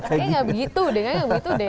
kayaknya gak begitu deh